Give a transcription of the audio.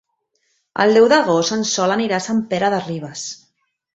El deu d'agost en Sol anirà a Sant Pere de Ribes.